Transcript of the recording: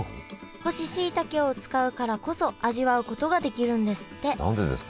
干ししいたけを使うからこそ味わうことができるんですって何でですか？